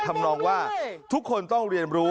ทำนองว่าทุกคนต้องเรียนรู้